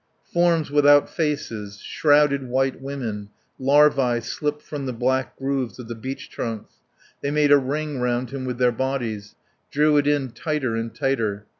Forms without faces, shrouded white women, larvae slipped from the black grooves of the beech trunks; they made a ring round him with their bodies, drew it in tighter and tighter.